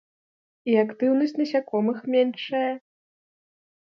І актыўнасць насякомых меншая.